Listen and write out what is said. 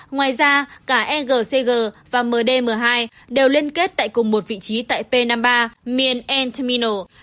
ngoài ra cả egcg và mdm hai đều liên kết tại cùng một vị trí tại p năm mươi ba miền n terminal